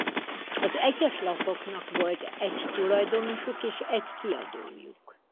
Az egyes lapoknak volt egy tulajdonosuk és egy kiadójuk.